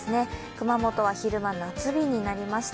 熊本は昼間、夏日になりました。